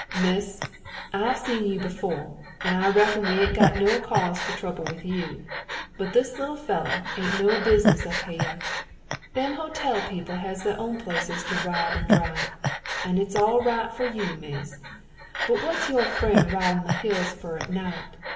"Miss, I have seen you befo', and I reckon we ain't got no cause for trouble with you; but this little fella' ain't no business up hy'eh. Them hotel people has their own places to ride and drive, and it's all right for you, Miss; but what's yo' frien' ridin' the hills for at night?